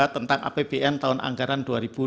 tentang apbn tahun anggaran dua ribu dua puluh